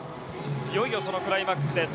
いよいよそのクライマックスです。